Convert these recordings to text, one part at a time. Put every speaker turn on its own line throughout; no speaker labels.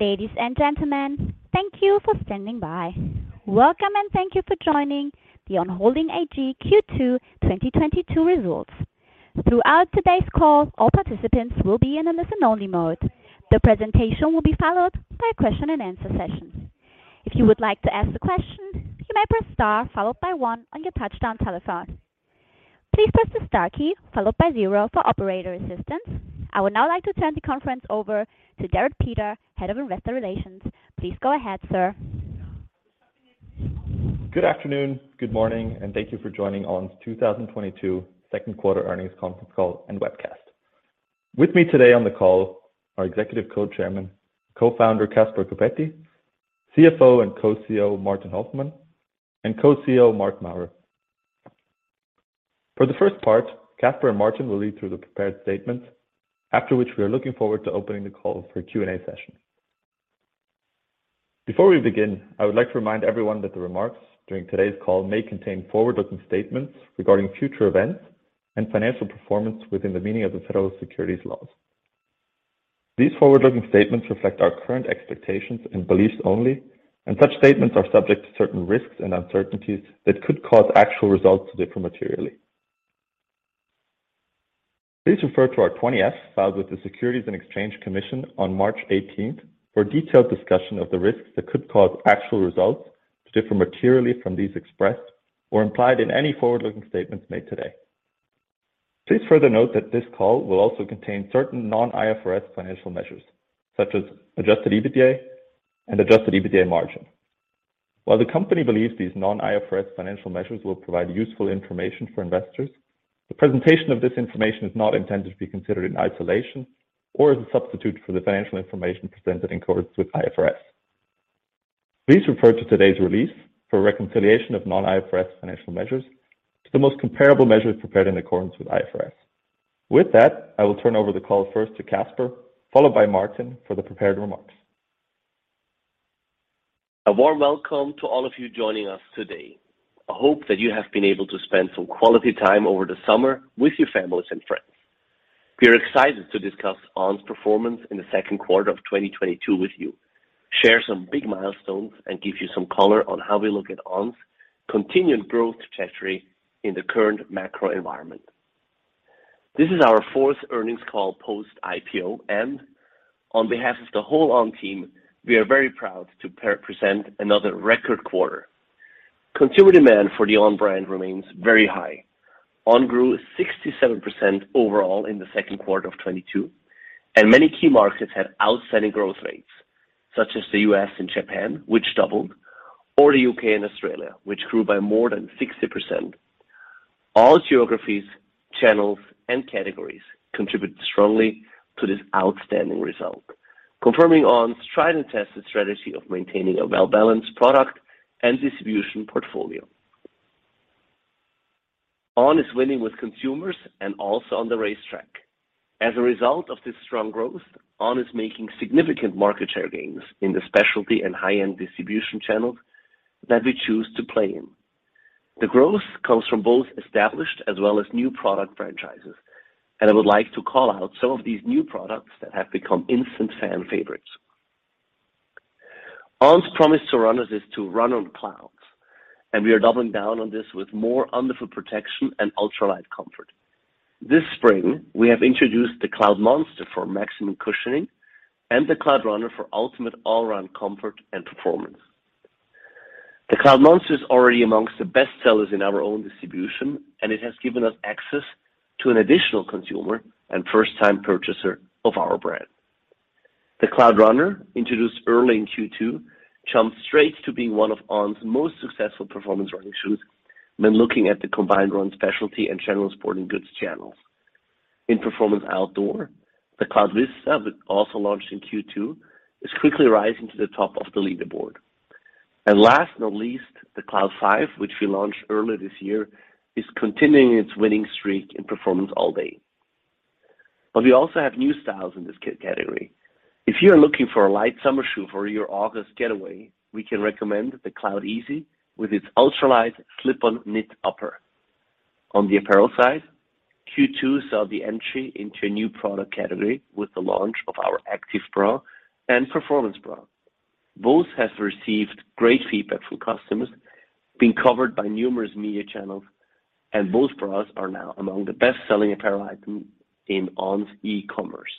Ladies and gentlemen, thank you for standing by. Welcome and thank you for joining the On Holding AG Q2 2022 results. Throughout today's call, all participants will be in a listen-only mode. The presentation will be followed by a question-and-answer session. If you would like to ask a question, you may press Star followed by One on your touch-tone telephone. Please press the Star key followed by Zero for operator assistance. I would now like to turn the conference over to Jerrit Peter, Head of Investor Relations. Please go ahead, sir.
Good afternoon, good morning, and thank you for joining On's 2022 second quarter earnings conference call and webcast. With me today on the call are Executive Co-Chairman, Co-founder Caspar Coppetti, CFO and Co-CEO Martin Hoffmann, and Co-CEO Marc Maurer. For the first part, Caspar and Martin will lead through the prepared statements, after which we are looking forward to opening the call for Q&A session. Before we begin, I would like to remind everyone that the remarks during today's call may contain forward-looking statements regarding future events and financial performance within the meaning of the federal securities laws. These forward-looking statements reflect our current expectations and beliefs only, and such statements are subject to certain risks and uncertainties that could cause actual results to differ materially. Please refer to our 20-F filed with the Securities and Exchange Commission on March 18th for a detailed discussion of the risks that could cause actual results to differ materially from these expressed or implied in any forward-looking statements made today. Please further note that this call will also contain certain non-IFRS financial measures, such as adjusted EBITDA and adjusted EBITDA margin. While the company believes these non-IFRS financial measures will provide useful information for investors, the presentation of this information is not intended to be considered in isolation or as a substitute for the financial information presented in accordance with IFRS. Please refer to today's release for reconciliation of non-IFRS financial measures to the most comparable measures prepared in accordance with IFRS. With that, I will turn over the call first to Caspar, followed by Martin for the prepared remarks.
A warm welcome to all of you joining us today. I hope that you have been able to spend some quality time over the summer with your families and friends. We are excited to discuss On's performance in the second quarter of 2022 with you, share some big milestones, and give you some color on how we look at On's continued growth trajectory in the current macro environment. This is our fourth earnings call post IPO, and on behalf of the whole On team, we are very proud to present another record quarter. Consumer demand for the On brand remains very high. On grew 67% overall in the second quarter of 2022, and many key markets had outstanding growth rates, such as the U.S. and Japan, which doubled, or the U.K. and Australia, which grew by more than 60%. All geographies, channels, and categories contributed strongly to this outstanding result. Confirming On's tried and tested strategy of maintaining a well-balanced product and distribution portfolio. On is winning with consumers and also on the racetrack. As a result of this strong growth, On is making significant market share gains in the specialty and high-end distribution channels that we choose to play in. The growth comes from both established as well as new product franchises, and I would like to call out some of these new products that have become instant fan favorites. On's promise to runners is to run on clouds, and we are doubling down on this with more underfoot protection and ultralight comfort. This spring, we have introduced the Cloudmonster for maximum cushioning and the Cloudrunner for ultimate all-around comfort and performance. The Cloudmonster is already among the best sellers in our own distribution, and it has given us access to an additional consumer and first-time purchaser of our brand. The Cloudrunner, introduced early in Q2, jumped straight to being one of On's most successful performance running shoes when looking at the combined run specialty and general sporting goods channels. In performance outdoor, the Cloudvista, which also launched in Q2, is quickly rising to the top of the leaderboard. Last but not least, the Cloud 5, which we launched earlier this year, is continuing its winning streak in performance all day. We also have new styles in this category. If you are looking for a light summer shoe for your August getaway, we can recommend the Cloudeasy with its ultralight slip-on knit upper. On the apparel side, Q2 saw the entry into a new product category with the launch of our Active Bra and Performance Bra. Both have received great feedback from customers, been covered by numerous media channels, and both bras are now among the best-selling apparel item in On's e-commerce.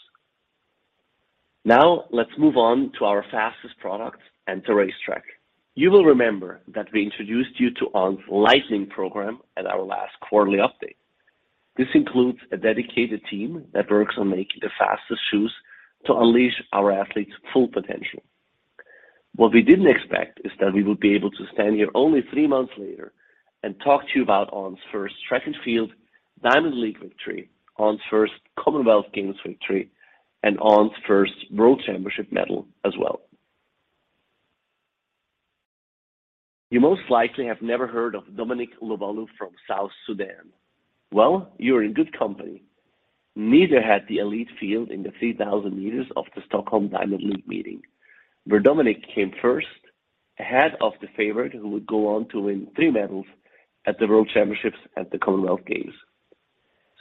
Now let's move on to our fastest product and the racetrack. You will remember that we introduced you to On's Lightning program at our last quarterly update. This includes a dedicated team that works on making the fastest shoes to unleash our athletes' full potential. What we didn't expect is that we would be able to stand here only three months later and talk to you about On's first track and field Diamond League victory, On's first Commonwealth Games victory, and On's first World Championship medal as well. You most likely have never heard of Dominic Lobalu from South Sudan. Well, you're in good company. Neither had the elite field in the 3,000 m of the Stockholm Diamond League meeting, where Dominic came first ahead of the favorite who would go on to win three medals at the World Championships at the Commonwealth Games.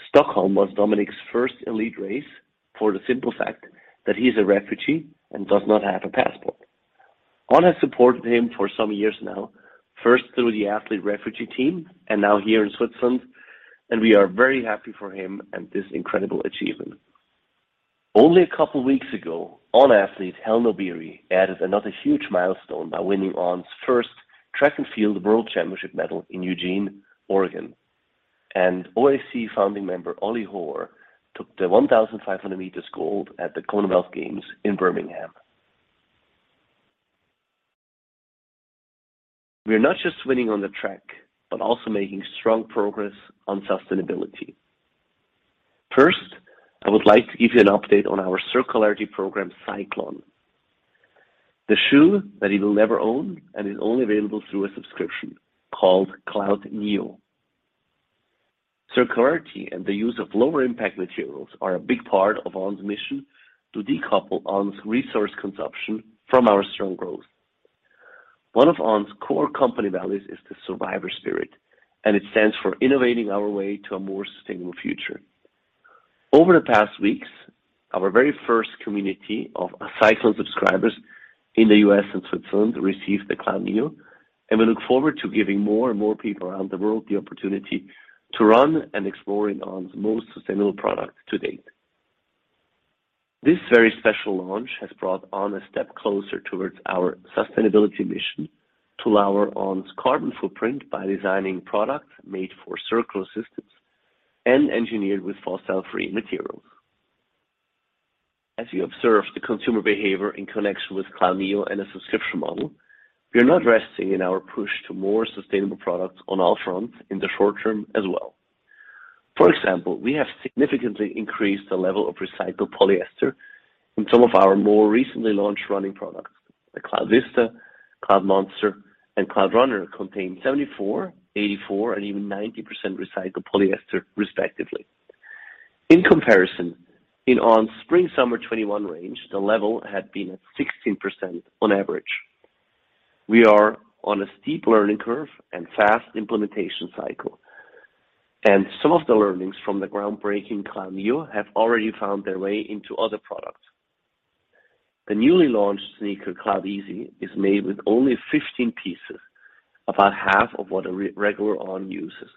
Stockholm was Dominic's first elite race for the simple fact that he is a refugee and does not have a passport. On has supported him for some years now, first through the Athlete Refugee Team and now here in Switzerland, and we are very happy for him and this incredible achievement. Only a couple weeks ago, On athlete Hellen Obiri added another huge milestone by winning On's first track and field World Championship medal in Eugene, Oregon. OAC founding member Ollie Hoare took the 1,500 m gold at the Commonwealth Games in Birmingham. We are not just winning on the track, but also making strong progress on sustainability. First, I would like to give you an update on our circularity program, Cyclon. The shoe that you will never own and is only available through a subscription called Cloudneo. Circularity and the use of lower impact materials are a big part of On's mission to decouple On's resource consumption from our strong growth. One of On's core company values is the survivor spirit, and it stands for innovating our way to a more sustainable future. Over the past weeks, our very first community of Cyclon subscribers in the U.S. and Switzerland received the Cloudneo, and we look forward to giving more and more people around the world the opportunity to run and explore in On's most sustainable product to date. This very special launch has brought On a step closer towards our sustainability mission to lower On's carbon footprint by designing products made for circular systems and engineered with fossil-free materials. As you observe the consumer behavior in connection with Cloudneo and a subscription model, we are not resting in our push to more sustainable products on all fronts in the short term as well. For example, we have significantly increased the level of recycled polyester in some of our more recently launched running products. The Cloudvista, Cloudmonster, and Cloudrunner contain 74%, 84%, and even 90% recycled polyester respectively. In comparison, in On's spring/summer 2021 range, the level had been at 16% on average. We are on a steep learning curve and fast implementation cycle, and some of the learnings from the groundbreaking Cloudneo have already found their way into other products. The newly launched sneaker, Cloudeasy, is made with only 15 pieces, about half of what a regular On uses.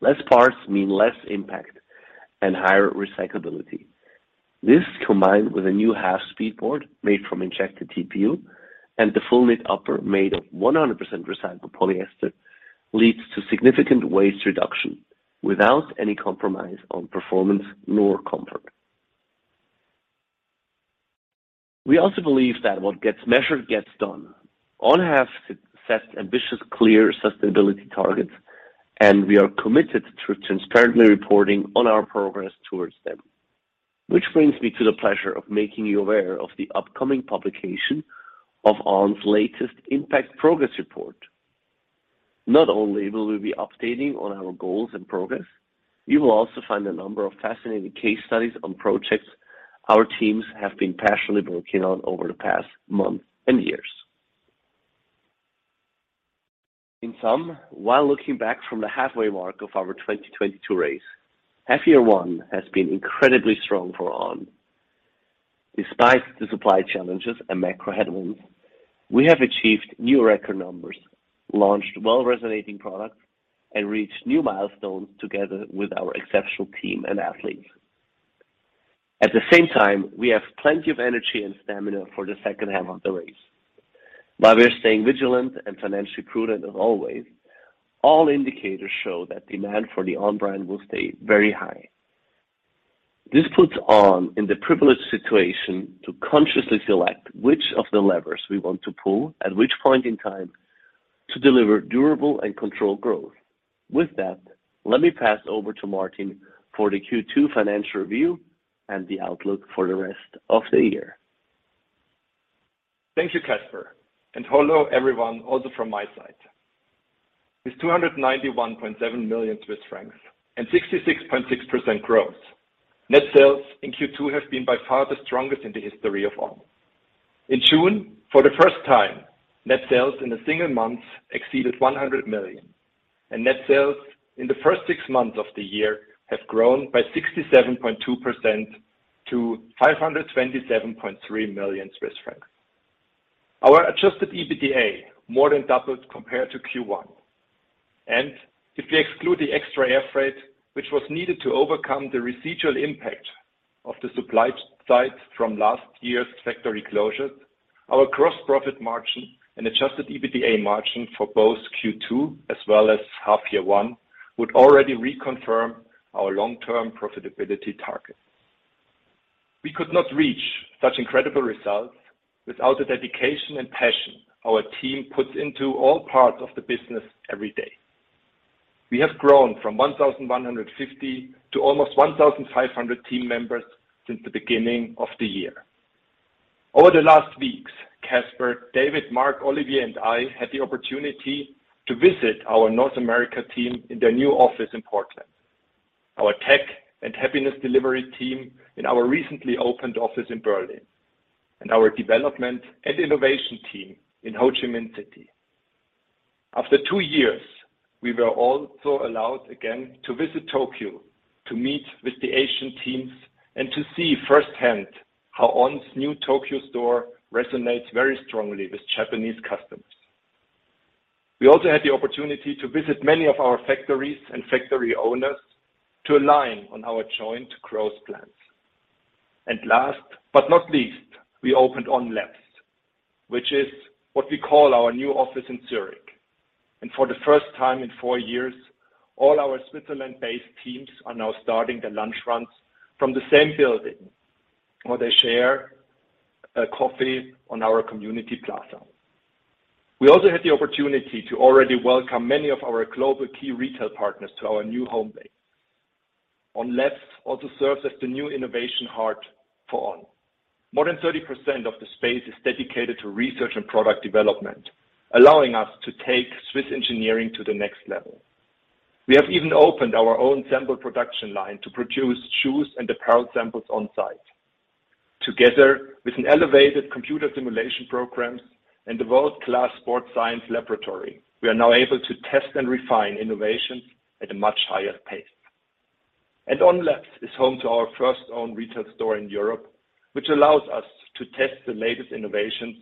Fewer parts mean less impact and higher recyclability. This, combined with a new half Speedboard made from injected TPU and the full knit upper made of 100% recycled polyester, leads to significant waste reduction without any compromise on performance nor comfort. We also believe that what gets measured gets done. On have set ambitious, clear sustainability targets, and we are committed to transparently reporting on our progress towards them. Which brings me to the pleasure of making you aware of the upcoming publication of On's latest impact progress report. Not only will we be updating on our goals and progress, you will also find a number of fascinating case studies on projects our teams have been passionately working on over the past months and years. In sum, while looking back from the halfway mark of our 2022 race, half year one has been incredibly strong for On. Despite the supply challenges and macro headwinds, we have achieved new record numbers, launched well-resonating products, and reached new milestones together with our exceptional team and athletes. At the same time, we have plenty of energy and stamina for the second half of the race. While we are staying vigilant and financially prudent as always, all indicators show that demand for the On brand will stay very high. This puts On in the privileged situation to consciously select which of the levers we want to pull at which point in time to deliver durable and controlled growth. With that, let me pass over to Martin for the Q2 financial review and the outlook for the rest of the year.
Thank you, Caspar, and hello everyone also from my side. With 291.7 million Swiss francs and 66.6% growth, net sales in Q2 have been by far the strongest in the history of On. In June, for the first time, net sales in a single month exceeded 100 million, and net sales in the first six months of the year have grown by 67.2% to 527.3 million Swiss francs. Our adjusted EBITDA more than doubled compared to Q1. If we exclude the extra air freight which was needed to overcome the residual impact of the supply side from last year's factory closures, our gross profit margin and adjusted EBITDA margin for both Q2 as well as half year one would already reconfirm our long-term profitability targets. We could not reach such incredible results without the dedication and passion our team puts into all parts of the business every day. We have grown from 1,150 to almost 1,500 team members since the beginning of the year. Over the last weeks, Caspar, David, Mark, Olivia, and I had the opportunity to visit our North America team in their new office in Portland, our tech and Happiness Delivery team in our recently opened office in Berlin, and our development and innovation team in Ho Chi Minh City. After two years, we were also allowed again to visit Tokyo to meet with the Asian teams and to see firsthand how On's new Tokyo store resonates very strongly with Japanese customers. We also had the opportunity to visit many of our factories and factory owners to align on our joint growth plans. Last but not least, we opened On Labs, which is what we call our new office in Zürich. For the first time in four years, all our Switzerland-based teams are now starting their lunch runs from the same building, where they share a coffee on our community plaza. We also had the opportunity to already welcome many of our global key retail partners to our new home base. On Labs also serves as the new innovation heart for On. More than 30% of the space is dedicated to research and product development, allowing us to take Swiss engineering to the next level. We have even opened our own sample production line to produce shoes and apparel samples on-site. Together with an elevated computer simulation programs and the world-class sports science laboratory, we are now able to test and refine innovations at a much higher pace. On Labs is home to our first own retail store in Europe, which allows us to test the latest innovations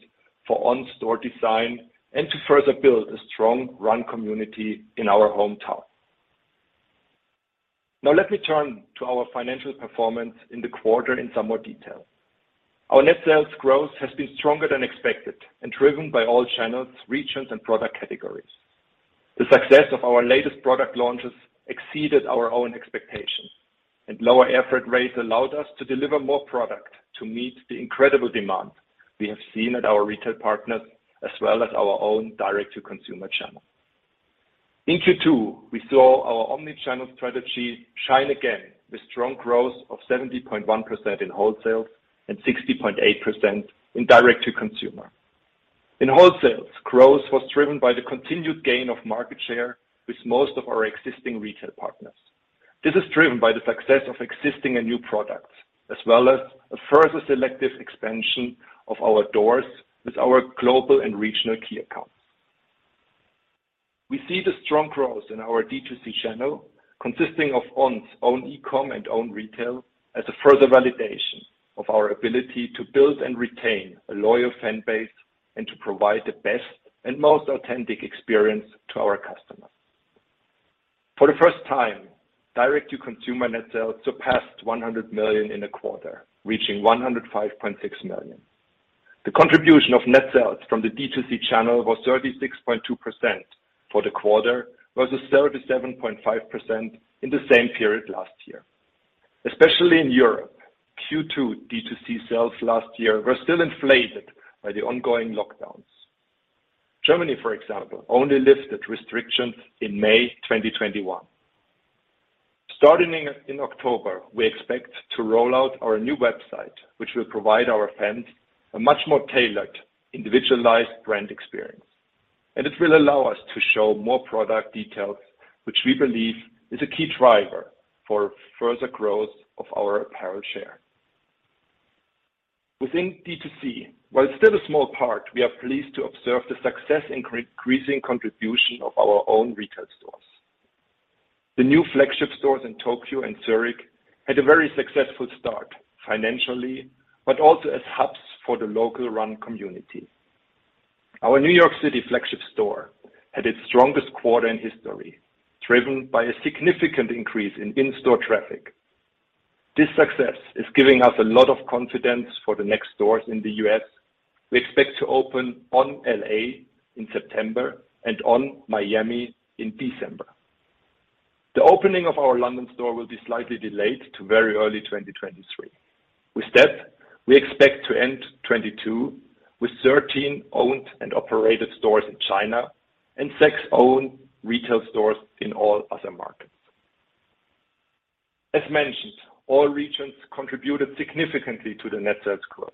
for On store design and to further build a strong run community in our hometown. Now let me turn to our financial performance in the quarter in some more detail. Our net sales growth has been stronger than expected and driven by all channels, regions, and product categories. The success of our latest product launches exceeded our own expectations, and lower air freight rates allowed us to deliver more product to meet the incredible demand we have seen at our retail partners, as well as our own direct-to-consumer channel. In Q2, we saw our omni-channel strategy shine again with strong growth of 70.1% in wholesale and 60.8% in direct to consumer. In wholesale, growth was driven by the continued gain of market share with most of our existing retail partners. This is driven by the success of existing and new products, as well as a further selective expansion of our doors with our global and regional key accounts. We see the strong growth in our D2C channel, consisting of On's own e-com and own retail, as a further validation of our ability to build and retain a loyal fan base and to provide the best and most authentic experience to our customers. For the first time, direct-to-consumer net sales surpassed 100 million in a quarter, reaching 105.6 million. The contribution of net sales from the D2C channel was 36.2% for the quarter versus 37.5% in the same period last year. Especially in Europe, Q2 D2C sales last year were still inflated by the ongoing lockdowns. Germany, for example, only lifted restrictions in May 2021. Starting in October, we expect to roll out our new website, which will provide our fans a much more tailored, individualized brand experience. It will allow us to show more product details which we believe is a key driver for further growth of our apparel share. Within D2C, while still a small part, we are pleased to observe the success in increasing contribution of our own retail stores. The new flagship stores in Tokyo and Zürich had a very successful start financially, but also as hubs for the local run community. Our New York City flagship store had its strongest quarter in history, driven by a significant increase in-store traffic. This success is giving us a lot of confidence for the next stores in the U.S. We expect to open On L.A. in September and On Miami in December. The opening of our London store will be slightly delayed to very early 2023. With that, we expect to end 2022 with 13 owned and operated stores in China and six owned retail stores in all other markets. As mentioned, all regions contributed significantly to the net sales growth.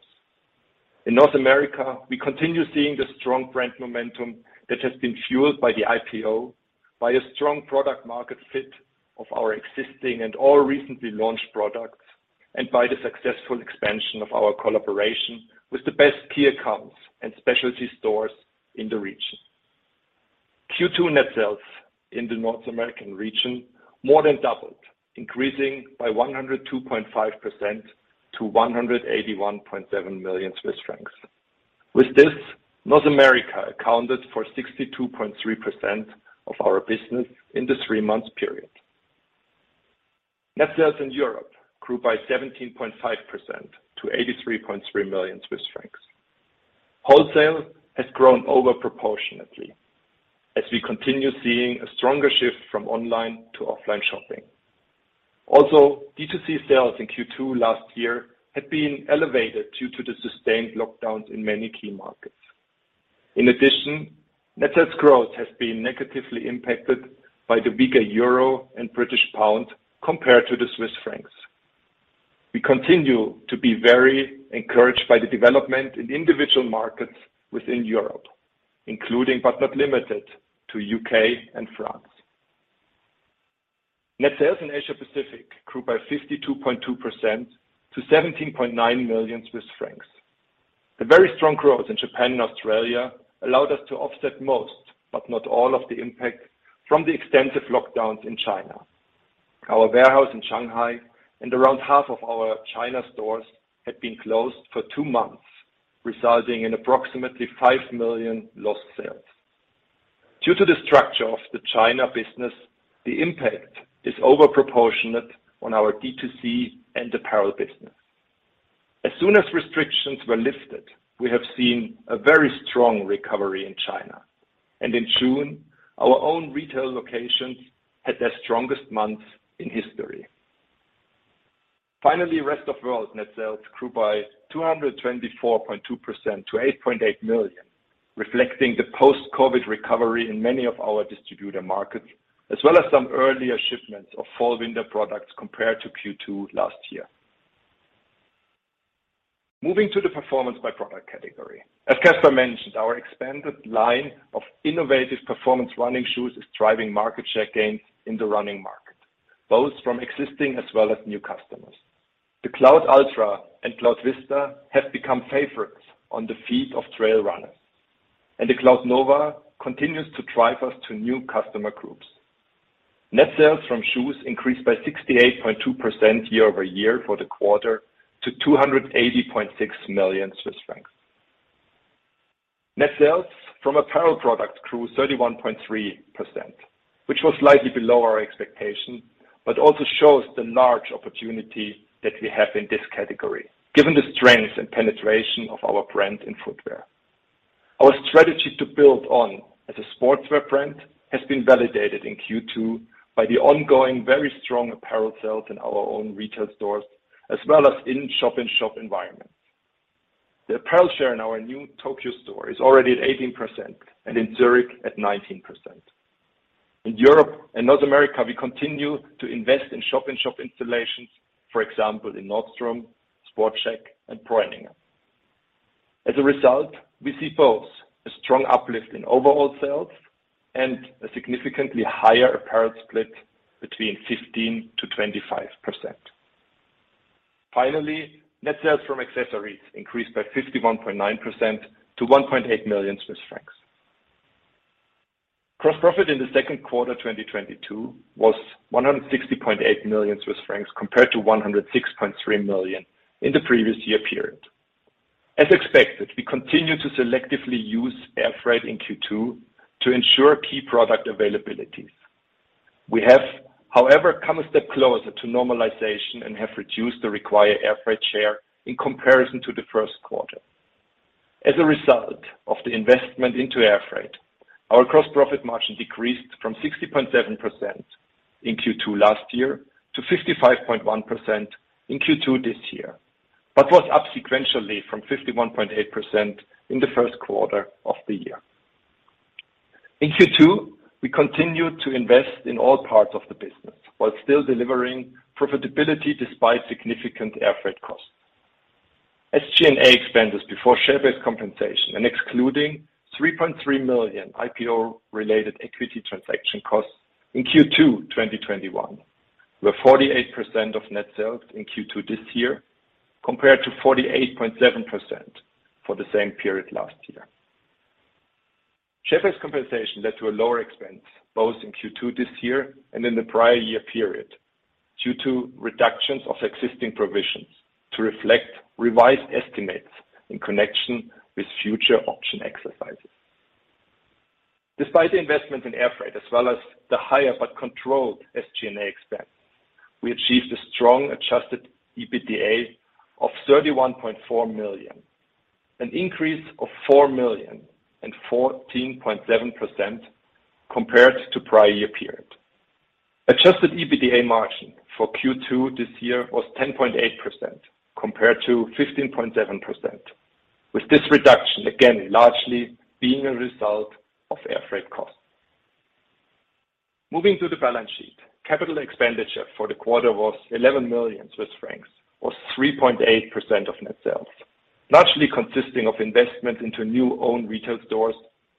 In North America, we continue seeing the strong brand momentum that has been fueled by the IPO, by a strong product market fit of our existing and all recently launched products, and by the successful expansion of our collaboration with the best key accounts and specialty stores in the region. Q2 net sales in the North American region more than doubled, increasing by 102.5% to 181.7 million Swiss francs. With this, North America accounted for 62.3% of our business in the three-month period. Net sales in Europe grew by 17.5% to 83.3 million Swiss francs. Wholesale has grown over proportionately as we continue seeing a stronger shift from online to offline shopping. Also, D2C sales in Q2 last year had been elevated due to the sustained lockdowns in many key markets. In addition, net sales growth has been negatively impacted by the weaker euro and British pound compared to the Swiss francs. We continue to be very encouraged by the development in individual markets within Europe, including but not limited to U.K. and France. Net sales in Asia Pacific grew by 52.2% to 17.9 million Swiss francs. The very strong growth in Japan and Australia allowed us to offset most, but not all, of the impact from the extensive lockdowns in China. Our warehouse in Shanghai and around half of our China stores had been closed for two months, resulting in approximately 5 million lost sales. Due to the structure of the China business, the impact is over proportionate on our D2C and apparel business. As soon as restrictions were lifted, we have seen a very strong recovery in China, and in June, our own retail locations had their strongest month in history. Finally, rest of world net sales grew by 224.2% to 8.8 million, reflecting the post-COVID recovery in many of our distributor markets, as well as some earlier shipments of fall/winter products compared to Q2 last year. Moving to the performance by product category. As Caspar mentioned, our expanded line of innovative performance running shoes is driving market share gains in the running market, both from existing as well as new customers. The Cloudultra and Cloudvista have become favorites on the feet of trail runners, and the Cloudnova continues to drive us to new customer groups. Net sales from shoes increased by 68.2% year-over-year for the quarter to 280.6 million Swiss francs. Net sales from apparel products grew 31.3%, which was slightly below our expectation, but also shows the large opportunity that we have in this category, given the strength and penetration of our brand in footwear. Our strategy to build On as a sportswear brand has been validated in Q2 by the ongoing very strong apparel sales in our own retail stores, as well as in shop-in-shop environments. The apparel share in our new Tokyo store is already at 18% and in Zürich at 19%. In Europe and North America, we continue to invest in shop-in-shop installations, for example, in Nordstrom, SportScheck, and Breuninger. As a result, we see both a strong uplift in overall sales and a significantly higher apparel split between 15%-25%. Finally, net sales from accessories increased by 51.9% to 1.8 million Swiss francs. Gross profit in the second quarter of 2022 was 160.8 million Swiss francs compared to 106.3 million in the previous year period. As expected, we continued to selectively use air freight in Q2 to ensure key product availabilities. We have, however, come a step closer to normalization and have reduced the required air freight share in comparison to the first quarter. As a result of the investment into air freight, our gross profit margin decreased from 60.7% in Q2 last year to 55.1% in Q2 this year, but was up sequentially from 51.8% in the first quarter of the year. In Q2, we continued to invest in all parts of the business while still delivering profitability despite significant air freight costs. SG&A expenses before share-based compensation and excluding 3.3 million IPO related equity transaction costs in Q2 2021, were 48% of net sales in Q2 this year, compared to 48.7% for the same period last year. Share-based compensation led to a lower expense both in Q2 this year and in the prior year period, due to reductions of existing provisions to reflect revised estimates in connection with future option exercises. Despite the investment in air freight, as well as the higher but controlled SG&A expense, we achieved a strong adjusted EBITDA of 31.4 million, an increase of 4 million and 14.7% compared to prior year period. Adjusted EBITDA margin for Q2 this year was 10.8% compared to 15.7%, with this reduction again largely being a result of air freight costs. Moving to the balance sheet. Capital expenditure for the quarter was 11 million Swiss francs, or 3.8% of net sales, largely consisting of investments into new own retail stores,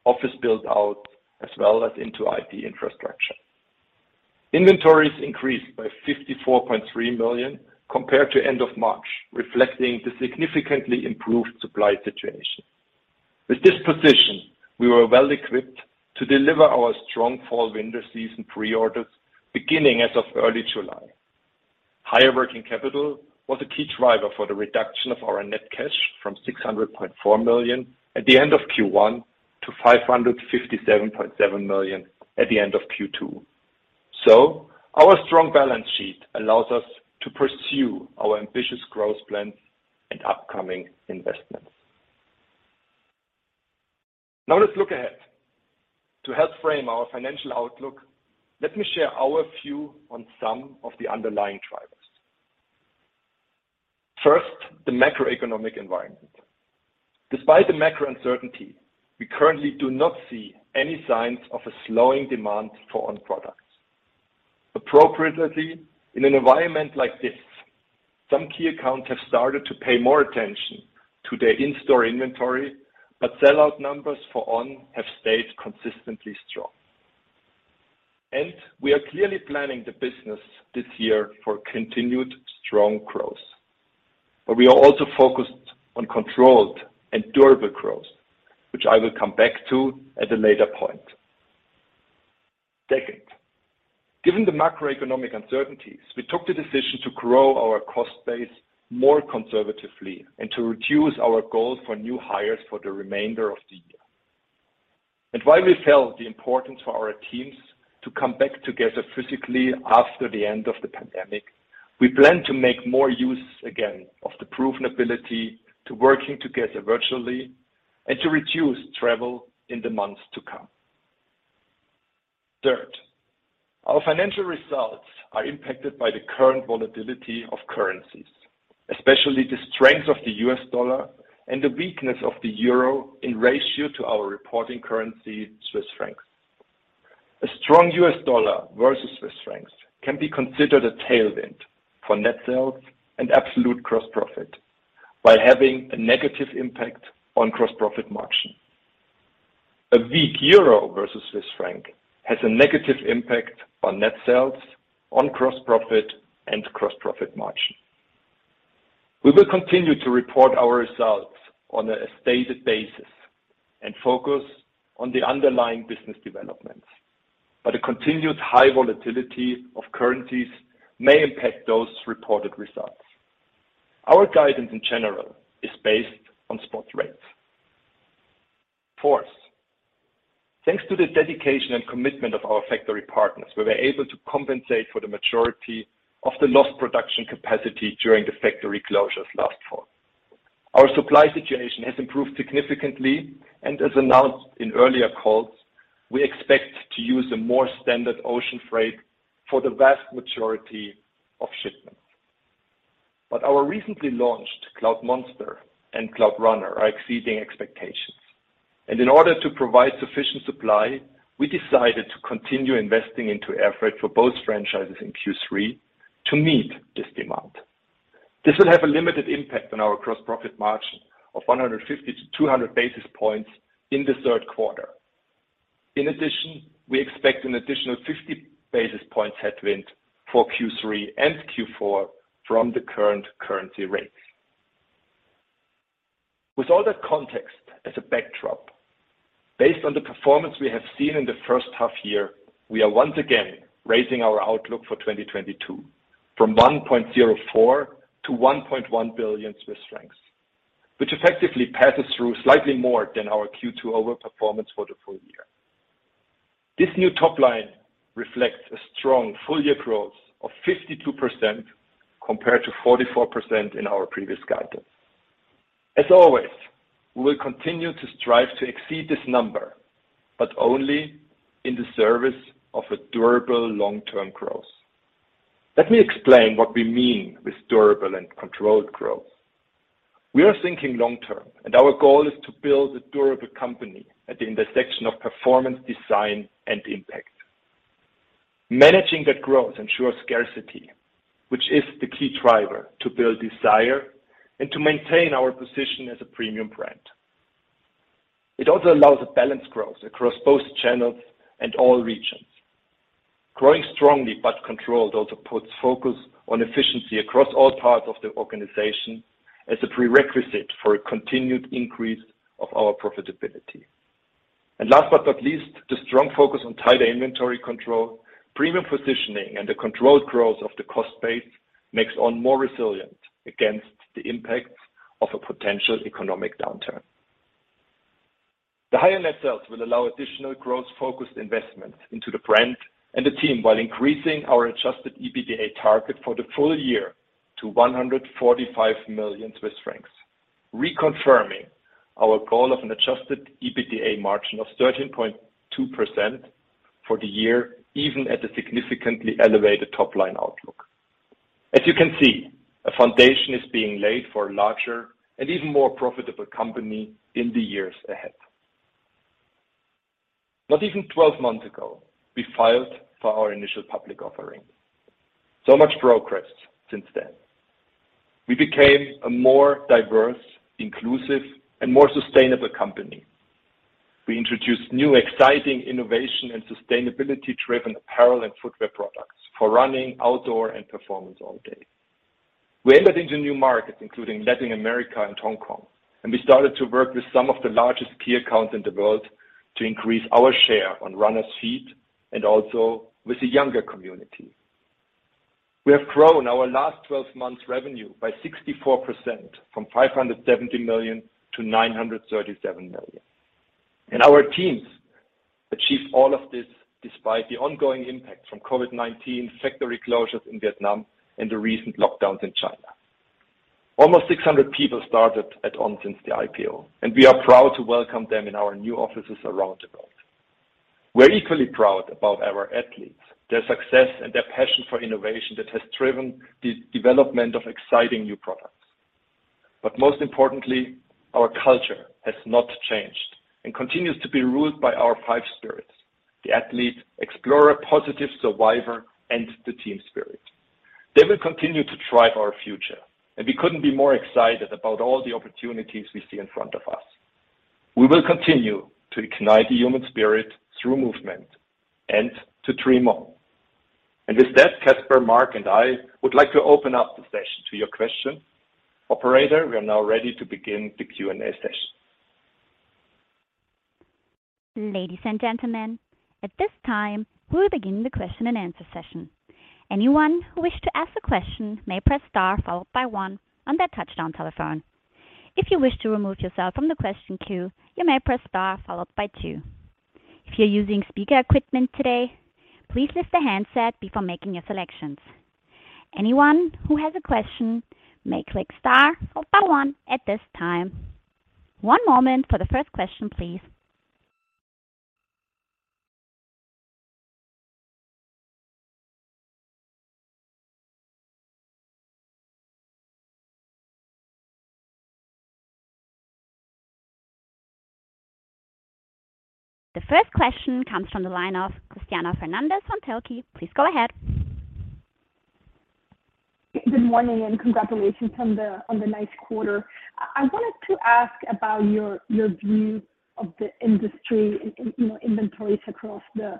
office build out, as well as into IT infrastructure. Inventories increased by 54.3 million compared to end of March, reflecting the significantly improved supply situation. With this position, we were well equipped to deliver our strong fall/winter season pre-orders beginning as of early July. Higher working capital was a key driver for the reduction of our net cash from 600.4 million at the end of Q1 to 557.7 million at the end of Q2. Our strong balance sheet allows us to pursue our ambitious growth plans and upcoming investments. Now let's look ahead. To help frame our financial outlook, let me share our view on some of the underlying drivers. First, the macroeconomic environment. Despite the macro uncertainty, we currently do not see any signs of a slowing demand for On products. Appropriately, in an environment like this. Some key accounts have started to pay more attention to their in-store inventory, but sellout numbers for On have stayed consistently strong. We are clearly planning the business this year for continued strong growth. We are also focused on controlled and durable growth, which I will come back to at a later point. Second, given the macroeconomic uncertainties, we took the decision to grow our cost base more conservatively and to reduce our goals for new hires for the remainder of the year. While we felt the importance for our teams to come back together physically after the end of the pandemic, we plan to make more use again of the proven ability to working together virtually and to reduce travel in the months to come. Third, our financial results are impacted by the current volatility of currencies, especially the strength of the U.S. dollar and the weakness of the euro in relation to our reporting currency, Swiss francs. A strong U.S. dollar versus Swiss francs can be considered a tailwind for net sales and absolute gross profit, while having a negative impact on gross-profit margin. A weak euro versus Swiss franc has a negative impact on net sales, on gross profit, and gross-profit margin. We will continue to report our results on a stated basis and focus on the underlying business developments, but a continued high volatility of currencies may impact those reported results. Our guidance in general is based on spot rates. Fourth, thanks to the dedication and commitment of our factory partners, we were able to compensate for the majority of the lost production capacity during the factory closures last fall. Our supply situation has improved significantly, and as announced in earlier calls, we expect to use a more standard ocean freight for the vast majority of shipments. Our recently launched Cloudmonster and Cloudrunner are exceeding expectations. In order to provide sufficient supply, we decided to continue investing into air freight for both franchises in Q3 to meet this demand. This will have a limited impact on our gross profit margin of 150-200 basis points in the third quarter. In addition, we expect an additional 50 basis points headwind for Q3 and Q4 from the current currency rates. With all that context as a backdrop, based on the performance we have seen in the first half year, we are once again raising our outlook for 2022 from 1.04 billion to 1.1 billion Swiss francs, which effectively passes through slightly more than our Q2 over performance for the full year. This new top line reflects a strong full-year growth of 52% compared to 44% in our previous guidance. As always, we will continue to strive to exceed this number, but only in the service of a durable long-term growth. Let me explain what we mean with durable and controlled growth. We are thinking long term, and our goal is to build a durable company at the intersection of performance, design, and impact. Managing that growth ensures scarcity, which is the key driver to build desire and to maintain our position as a premium brand. It also allows a balanced growth across both channels and all regions. Growing strongly but controlled also puts focus on efficiency across all parts of the organization as a prerequisite for a continued increase of our profitability. Last but not least, the strong focus on tighter inventory control, premium positioning, and the controlled growth of the cost base makes On more resilient against the impacts of a potential economic downturn. The higher net sales will allow additional growth-focused investments into the brand and the team while increasing our adjusted EBITDA target for the full year to 145 million Swiss francs, reconfirming our goal of an adjusted EBITDA margin of 13.2% for the year, even at a significantly elevated top-line outlook. As you can see, a foundation is being laid for a larger and even more profitable company in the years ahead. Not even 12 months ago, we filed for our initial public offering. So much progress since then. We became a more diverse, inclusive, and more sustainable company. We introduced new, exciting innovation and sustainability-driven apparel and footwear products for running, outdoor, and performance all day. We entered into new markets, including Latin America and Hong Kong, and we started to work with some of the largest key accounts in the world to increase our share on runners' feet and also with the younger community. We have grown our last 12 months revenue by 64% from 570 million to 937 million. Our teams achieved all of this despite the ongoing impact from COVID-19 factory closures in Vietnam and the recent lockdowns in China. Almost 600 people started at On since the IPO, and we are proud to welcome them in our new offices around the world. We're equally proud about our athletes, their success, and their passion for innovation that has driven the development of exciting new products. Most importantly, our culture has not changed and continues to be ruled by our five spirits: the athlete, explorer, positive, survivor, and the team spirit. They will continue to drive our future, and we couldn't be more excited about all the opportunities we see in front of us. We will continue to ignite the human spirit through movement and to dream on. With that, Caspar, Marc, and I would like to open up the session to your question. Operator, we are now ready to begin the Q&A session.
Ladies and gentlemen, at this time, we will begin the question and answer session. Anyone who wishes to ask a question may press star followed by one on their touch-tone telephone. If you wish to remove yourself from the question queue, you may press star followed by two. If you're using speaker equipment today, please lift the handset before making your selections. Anyone who has a question may click star followed by one at this time. One moment for the first question, please. The first question comes from the line of Cristina Fernández from Telsey Advisory Group. Please go ahead.
Good morning, and congratulations on the nice quarter. I wanted to ask about your view of the industry in you know inventories across the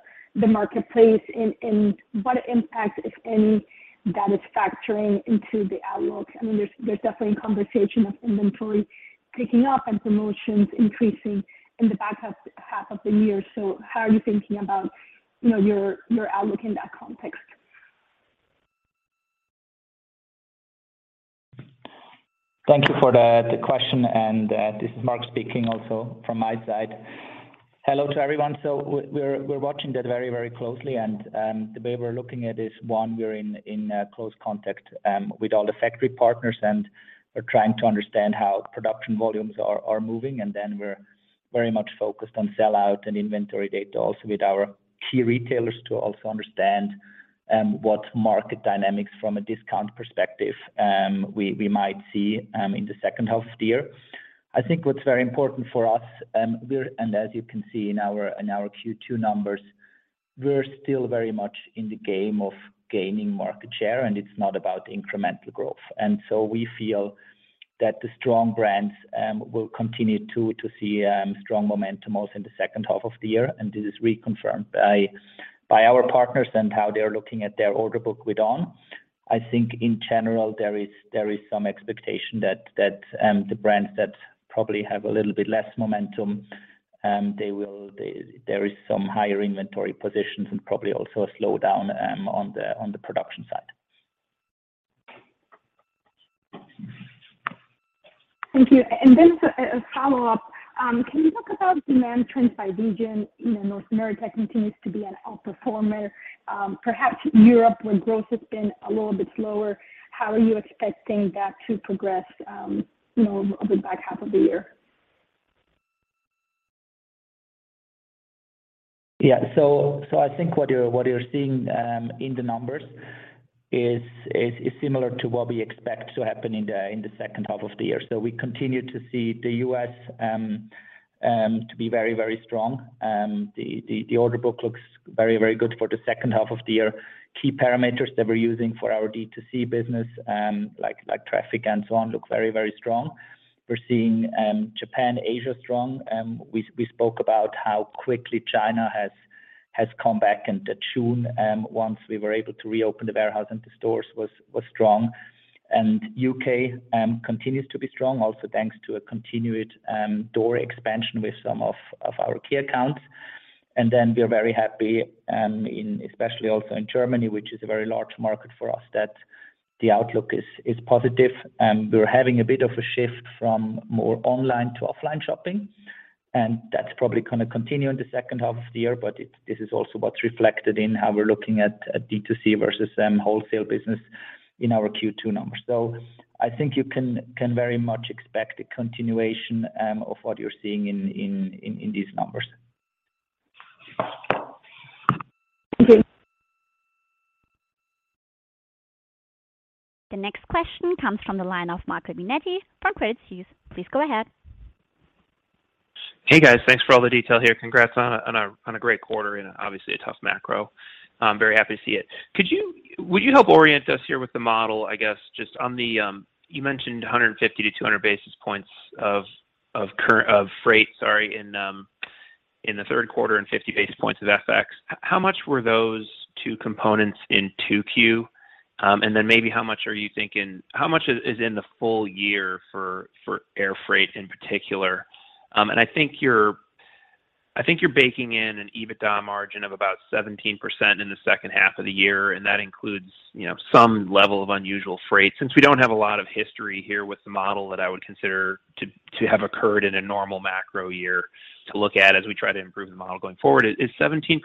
marketplace and what impact, if any, that is factoring into the outlook. I mean, there's definitely conversation of inventory picking up and promotions increasing in the back half of the year. How are you thinking about you know your outlook in that context?
Thank you for the question. This is Marc speaking also from my side. Hello to everyone. We're watching that very, very closely and the way we're looking at is, one, we're in close contact with all the factory partners, and we're trying to understand how production volumes are moving. Then we're very much focused on sell-out and inventory data also with our key retailers to also understand what market dynamics from a discount perspective we might see in the second half of the year. I think what's very important for us, as you can see in our Q2 numbers, we're still very much in the game of gaining market share, and it's not about incremental growth. We feel that the strong brands will continue to see strong momentum also in the second half of the year. This is reconfirmed by our partners and how they're looking at their order book with On. I think in general, there is some expectation that the brands that probably have a little bit less momentum, there is some higher inventory positions and probably also a slowdown on the production side.
Thank you. A follow-up. Can you talk about demand trends by region? You know, North America continues to be an outperformer. Perhaps Europe, where growth has been a little bit slower, how are you expecting that to progress, you know, over the back half of the year?
Yeah. I think what you're seeing in the numbers is similar to what we expect to happen in the second half of the year. We continue to see the U.S. to be very strong. The order book looks very good for the second half of the year. Key parameters that we're using for our D2C business, like traffic and so on, look very strong. We're seeing Japan, Asia strong. We spoke about how quickly China has come back into tune, once we were able to reopen the warehouse and the stores was strong. U.K. continues to be strong also, thanks to a continued store expansion with some of our key accounts. We are very happy, especially also in Germany, which is a very large market for us, that the outlook is positive. We're having a bit of a shift from more online to offline shopping, and that's probably gonna continue in the second half of the year. This is also what's reflected in how we're looking at D2C versus wholesale business in our Q2 numbers. I think you can very much expect a continuation of what you're seeing in these numbers.
Thank you.
The next question comes from the line of Michael Binetti from Credit Suisse. Please go ahead.
Hey, guys. Thanks for all the detail here. Congrats on a great quarter in obviously a tough macro. I'm very happy to see it. Would you help orient us here with the model, I guess, just on the. You mentioned 150-200 basis points of freight, sorry, in the third quarter and 50 basis points of FX. How much were those two components in 2Q? And then maybe how much are you thinking how much is in the full year for air freight in particular? I think you're baking in an EBITDA margin of about 17% in the second half of the year, and that includes, you know, some level of unusual freight. Since we don't have a lot of history here with the model that I would consider to have occurred in a normal macro year to look at as we try to improve the model going forward, is 17%+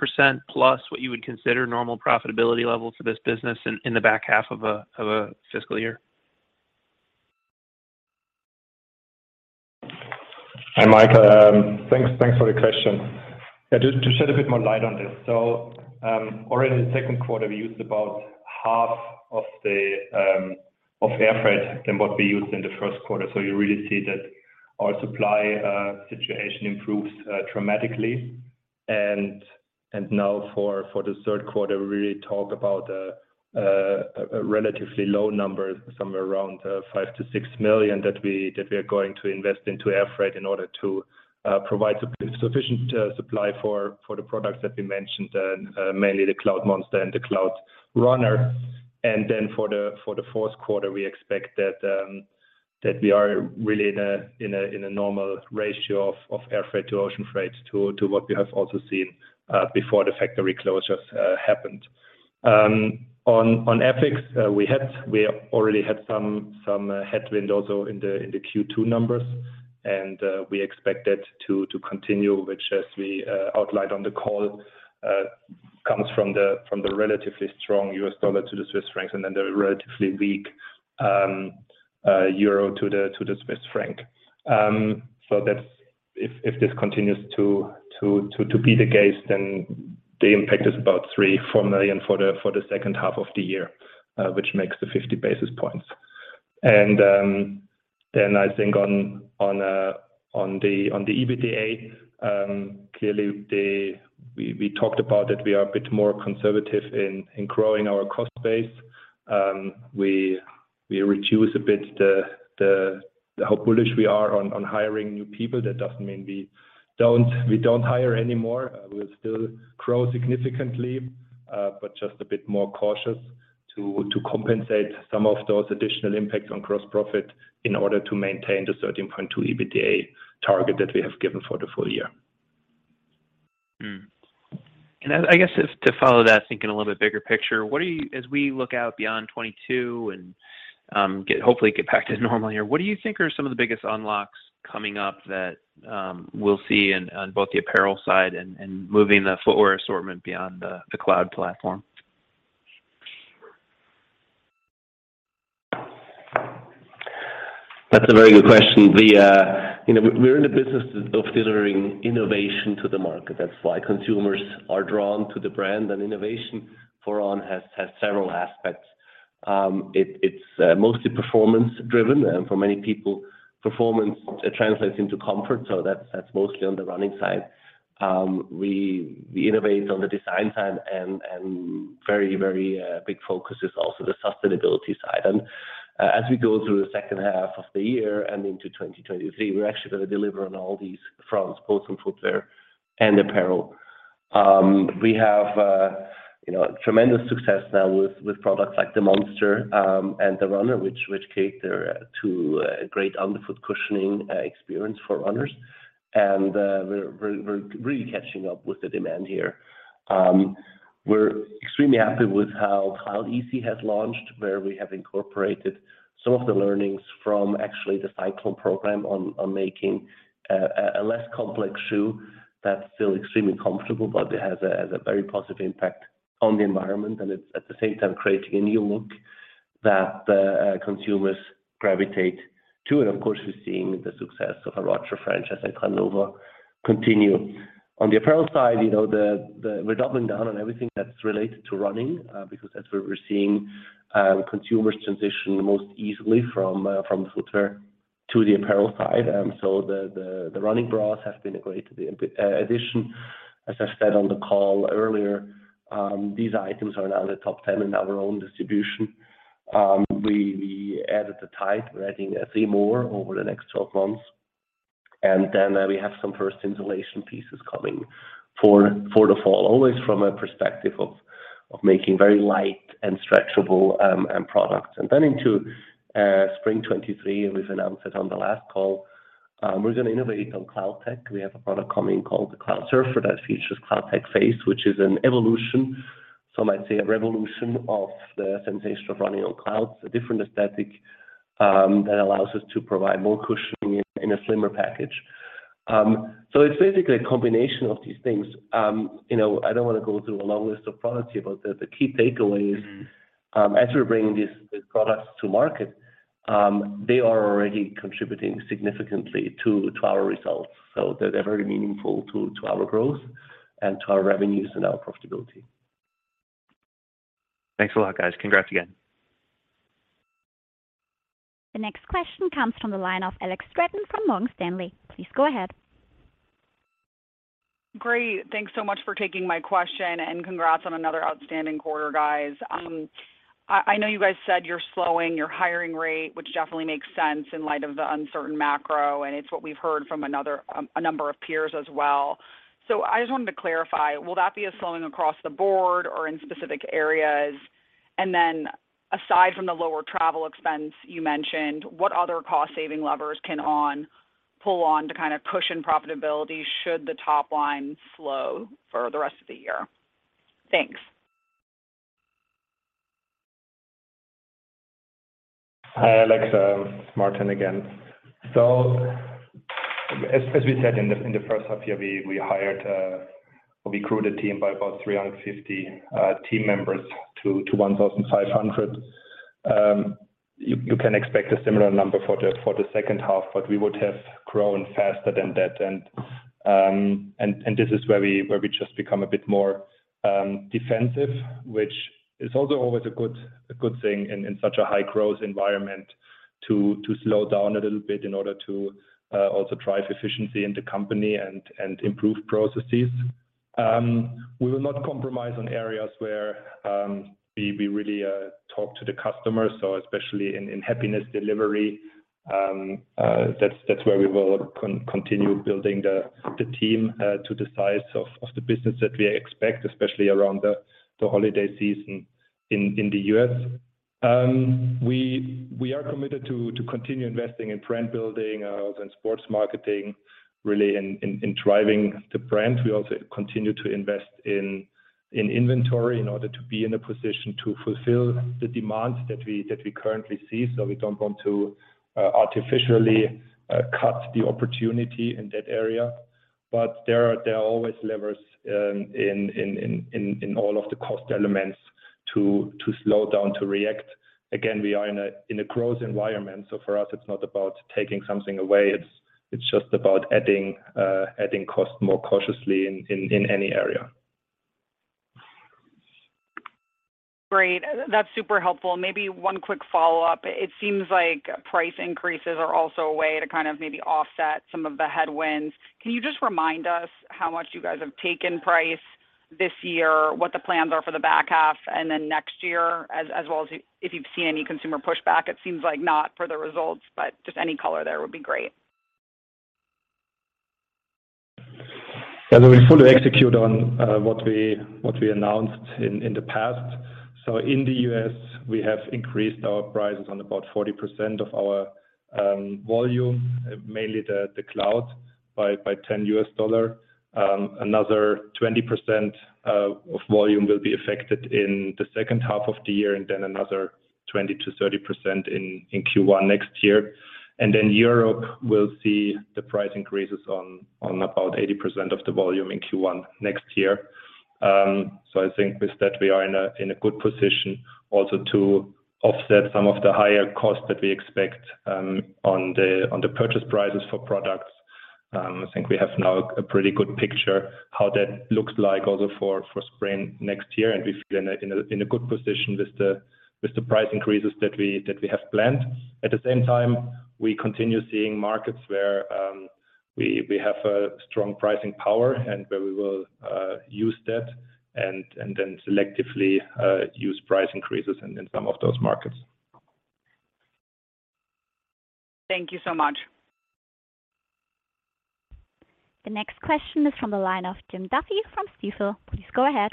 what you would consider normal profitability level for this business in the back half of a fiscal year?
Hi, Marco. Thanks for the question. Yeah, just to shed a bit more light on this. Already in the second quarter, we used about half of the air freight than what we used in the first quarter. You really see that our supply situation improves dramatically. Now for the third quarter, we really talk about a relatively low number, somewhere around 5-6 million that we are going to invest into air freight in order to provide sufficient supply for the products that we mentioned, mainly the Cloudmonster and the Cloudrunner. For the fourth quarter, we expect that we are really in a normal ratio of air freight to ocean freight to what we have also seen before the factory closures happened. On FX, we already had some headwind also in the Q2 numbers. We expect that to continue, which as we outlined on the call comes from the relatively strong U.S. dollar to the Swiss franc, and then the relatively weak euro to the Swiss franc. If this continues to be the case, then the impact is about 3-4 million for the second half of the year, which makes the 50 basis points. I think on the EBITDA, clearly, we talked about that we are a bit more conservative in growing our cost base. We reduce a bit the how bullish we are on hiring new people. That doesn't mean we don't hire anymore. We'll still grow significantly, but just a bit more cautious to compensate some of those additional impacts on gross profit in order to maintain the 13.2% EBITDA target that we have given for the full year.
I guess just to follow that, thinking a little bit bigger picture, as we look out beyond 2022 and hopefully get back to normal here, what do you think are some of the biggest unlocks coming up that we'll see on both the apparel side and moving the footwear assortment beyond the Cloud platform?
That's a very good question. You know, we're in the business of delivering innovation to the market. That's why consumers are drawn to the brand, and innovation for On has several aspects. It's mostly performance driven, and for many people, performance translates into comfort, so that's mostly on the running side. We innovate on the design side and very big focus is also the sustainability side. As we go through the second half of the year and into 2023, we're actually gonna deliver on all these fronts, both on footwear and apparel. We have tremendous success now with products like the Monster and the Runner, which cater to a great underfoot cushioning experience for runners. We're really catching up with the demand here. We're extremely happy with how Cloudeasy has launched, where we have incorporated some of the learnings from actually the Cyclon program on making a less complex shoe that's still extremely comfortable, but it has a very positive impact on the environment, and it's at the same time creating a new look that the consumers gravitate to. Of course, we're seeing the success of our THE ROGER franchise in [Hannover] continue. On the apparel side, you know, we're doubling down on everything that's related to running because that's where we're seeing consumers transition most easily from the footwear to the apparel side. The running bras have been a great addition. As I said on the call earlier, these items are now in the top 10 in our own distribution. We added the tights, we're adding a few more over the next 12 months. Then, we have some first insulation pieces coming for the fall, always from a perspective of making very light and stretchable products. Then into spring 2023, and we've announced it on the last call, we're gonna innovate on CloudTec. We have a product coming called the Cloudsurfer that features CloudTec Phase, which is an evolution, some might say a revolution, of the sensation of running on clouds, a different aesthetic, that allows us to provide more cushioning in a slimmer package. It's basically a combination of these things. You know, I don't wanna go through a long list of products here, but the key takeaway is, as we're bringing these products to market, they are already contributing significantly to our results. They're very meaningful to our growth and to our revenues and our profitability.
Thanks a lot, guys. Congrats again.
The next question comes from the line of Alex Straton from Morgan Stanley. Please go ahead.
Great. Thanks so much for taking my question, and congrats on another outstanding quarter, guys. I know you guys said you're slowing your hiring rate, which definitely makes sense in light of the uncertain macro, and it's what we've heard from a number of peers as well. I just wanted to clarify, will that be a slowing across the board or in specific areas? And then aside from the lower travel expense you mentioned, what other cost saving levers can On pull on to kinda cushion profitability should the top line slow for the rest of the year? Thanks.
Hi, Alex. It's Martin again. As we said in the first half year, we hired- We'll recruit a team by about 350 team members to 1,500. You can expect a similar number for the second half, but we would have grown faster than that. This is where we just become a bit more defensive, which is also always a good thing in such a high-growth environment to slow down a little bit in order to also drive efficiency in the company and improve processes. We will not compromise on areas where we really talk to the customers. Especially in Happiness Delivery, that's where we will continue building the team to the size of the business that we expect, especially around the holiday season in the U.S. We are committed to continue investing in brand building and sports marketing really in driving the brand. We also continue to invest in inventory in order to be in a position to fulfill the demands that we currently see. We don't want to artificially cut the opportunity in that area. There are always levers in all of the cost elements to slow down, to react. Again, we are in a growth environment, so for us it's not about taking something away, it's just about adding cost more cautiously in any area.
Great. That's super helpful. Maybe one quick follow-up. It seems like price increases are also a way to kind of maybe offset some of the headwinds. Can you just remind us how much you guys have taken price this year, what the plans are for the back half and then next year, as well as if you've seen any consumer pushback? It seems like not per the results, but just any color there would be great.
Yeah. We fully execute on what we announced in the past. In the U.S., we have increased our prices on about 40% of our volume, mainly the Cloud by $10. Another 20% of volume will be affected in the second half of the year and then another 20%-30% in Q1 next year. Then Europe will see the price increases on about 80% of the volume in Q1 next year. I think with that we are in a good position also to offset some of the higher costs that we expect on the purchase prices for products. I think we have now a pretty good picture how that looks like also for spring next year, and we feel in a good position with the price increases that we have planned. At the same time, we continue seeing markets where we have a strong pricing power and where we will use that and then selectively use price increases in some of those markets.
Thank you so much.
The next question is from the line of Jim Duffy from Stifel. Please go ahead.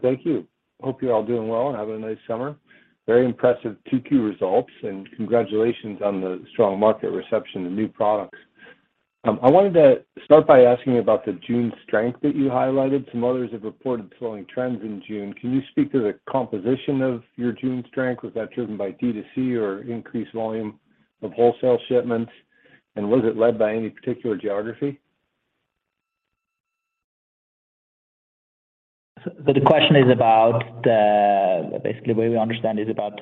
Thank you. Hope you're all doing well and having a nice summer. Very impressive 2Q results, and congratulations on the strong market reception to new products. I wanted to start by asking about the June strength that you highlighted. Some others have reported slowing trends in June. Can you speak to the composition of your June strength? Was that driven by D2C or increased volume of wholesale shipments? Was it led by any particular geography?
The question is about basically the way we understand it is about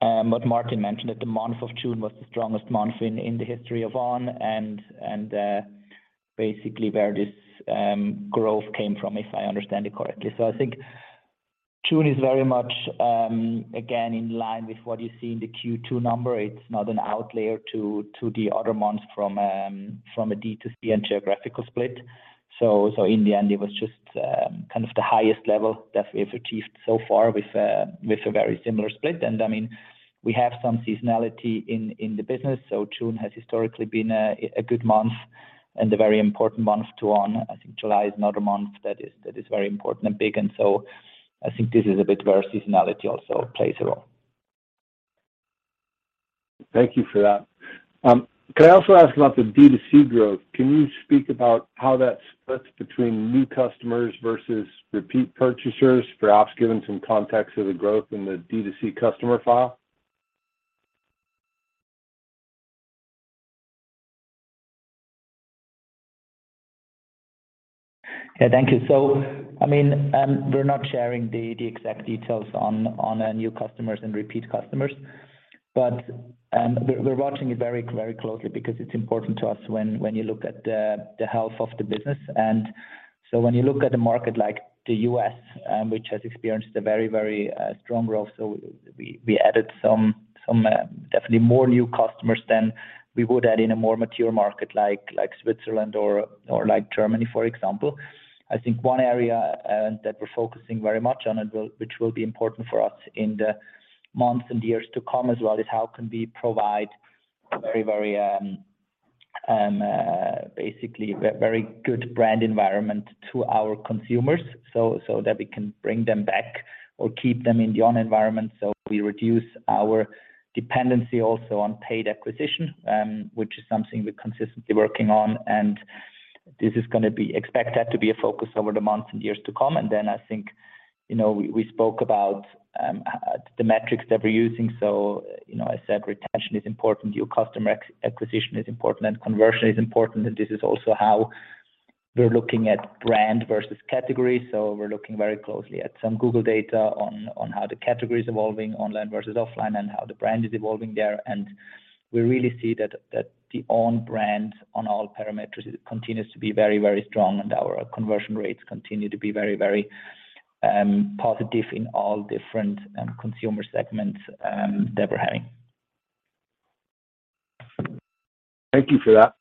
what Martin mentioned, that the month of June was the strongest month in the history of On and basically where this growth came from, if I understand it correctly. I think June is very much again in line with what you see in the Q2 number. It's not an outlier to the other months from a D2C and geographical split. In the end, it was just kind of the highest level that we have achieved so far with a very similar split. I mean, we have some seasonality in the business. June has historically been a good month and a very important month to On. I think July is another month that is very important and big. I think this is a bit where seasonality also plays a role.
Thank you for that. Could I also ask about the D2C growth? Can you speak about how that splits between new customers versus repeat purchasers? Perhaps give some context of the growth in the D2C customer file.
Yeah, thank you. I mean, we're not sharing the exact details on our new customers and repeat customers. We're watching it very closely because it's important to us when you look at the health of the business. When you look at a market like the U.S., which has experienced a very strong growth, we added some definitely more new customers than we would add in a more mature market like Switzerland or like Germany, for example. I think one area that we're focusing very much on and which will be important for us in the months and years to come as well is how can we provide a very basically very good brand environment to our consumers so that we can bring them back or keep them in the On environment so we reduce our dependency also on paid acquisition which is something we're consistently working on. This is gonna be expected to be a focus over the months and years to come. Then I think You know, we spoke about the metrics that we're using. You know, I said retention is important, new customer acquisition is important, and conversion is important. This is also how we're looking at brand versus category. We're looking very closely at some Google data on how the category is evolving online versus offline and how the brand is evolving there. We really see that the On brand on all parameters continues to be very, very strong, and our conversion rates continue to be very, very positive in all different consumer segments that we're having.
Thank you for that.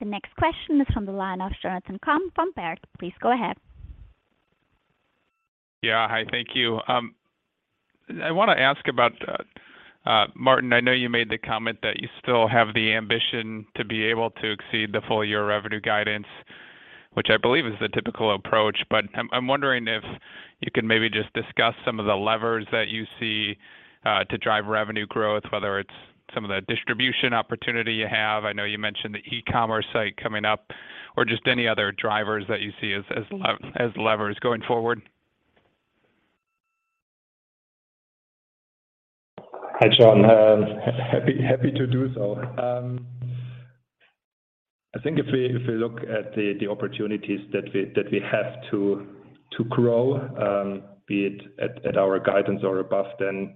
The next question is from the line of Jonathan Komp from Baird. Please go ahead.
Yeah. Hi, thank you. I wanna ask about, Martin, I know you made the comment that you still have the ambition to be able to exceed the full year revenue guidance, which I believe is the typical approach. I'm wondering if you can maybe just discuss some of the levers that you see to drive revenue growth, whether it's some of the distribution opportunity you have. I know you mentioned the e-commerce site coming up. Just any other drivers that you see as levers going forward.
Hi, Jon. Happy to do so. I think if we look at the opportunities that we have to grow, be it at our guidance or above, then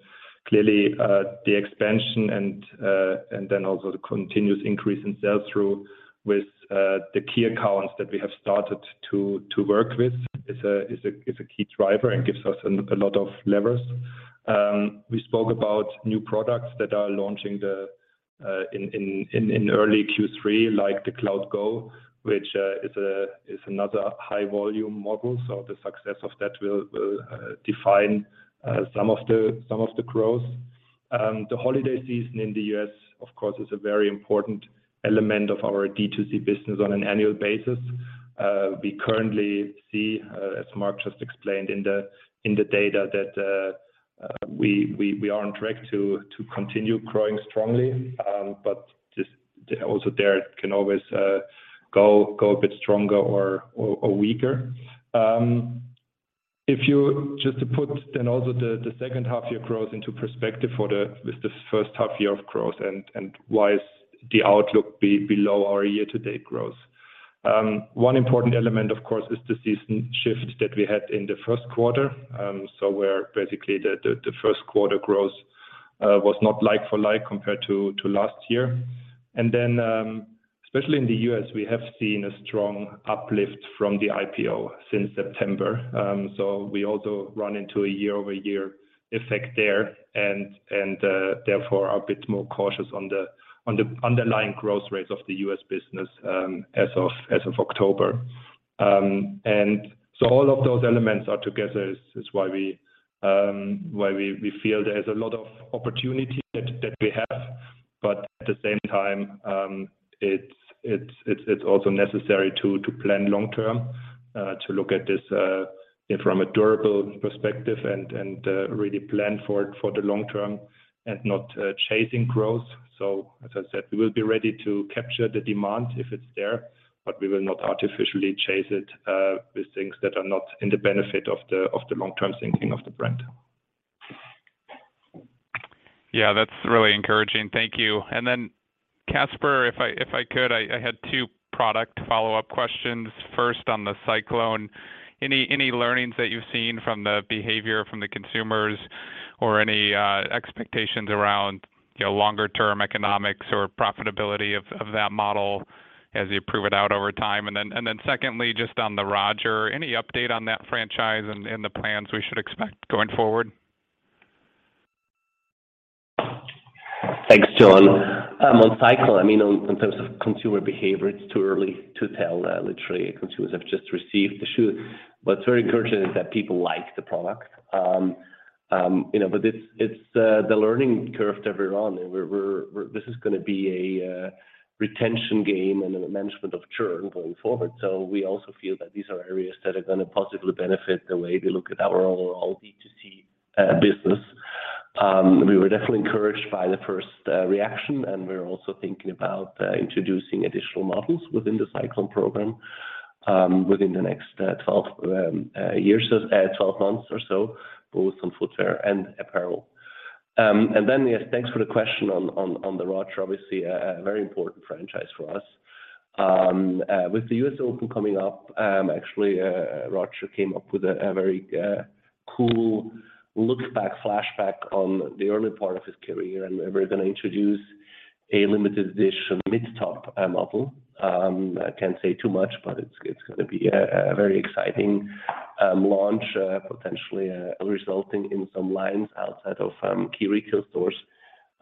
clearly the expansion and then also the continuous increase in sales through with the key accounts that we have started to work with is a key driver and gives us a lot of levers. We spoke about new products that are launching in early Q3, like the CloudGo, which is a high volume model. The success of that will define some of the growth. The holiday season in the U.S., of course, is a very important element of our D2C business on an annual basis. We currently see, as Marc just explained in the data that we are on track to continue growing strongly. Just also there can always go a bit stronger or weaker. If you just to put then also the second half year growth into perspective with the first half year of growth and why is the outlook be below our year-to-date growth. One important element, of course, is the season shift that we had in the first quarter. Where basically the first quarter growth was not like-for-like compared to last year. Especially in the U.S., we have seen a strong uplift from the IPO since September. We also run into a year-over-year effect there and therefore are a bit more cautious on the underlying growth rates of the U.S. business as of October. All of those elements are together is why we feel there's a lot of opportunity that we have. At the same time, it's also necessary to plan long-term to look at this from a durable perspective and really plan for the long term and not chasing growth. As I said, we will be ready to capture the demand if it's there, but we will not artificially chase it with things that are not in the benefit of the long-term thinking of the brand.
Yeah. That's really encouraging. Thank you. Caspar, if I could, I had two product follow-up questions. First on the Cyclon. Any learnings that you've seen from the behavior from the consumers or any expectations around, you know, longer term economics or profitability of that model as you prove it out over time? And then secondly, just on THE ROGER, any update on that franchise and the plans we should expect going forward?
Thanks, Jon. On Cyclon, I mean, on, in terms of consumer behavior, it's too early to tell. Literally, consumers have just received the shoe. It's very encouraging that people like the product. You know, it's the learning curve that we're on, and this is gonna be a retention game and a management of churn going forward. We also feel that these are areas that are gonna positively benefit the way we look at our overall D2C business. We were definitely encouraged by the first reaction, and we're also thinking about introducing additional models within the Cyclon program, within the next 12 months or so, both on footwear and apparel. Yes, thanks for the question on THE ROGER. Obviously a very important franchise for us. With the U.S. Open coming up, actually, Roger came up with a very cool look back, flashback on the early part of his career. We're gonna introduce a limited edition mid-top model. I can't say too much, but it's gonna be a very exciting launch, potentially resulting in some lines outside of key retail stores.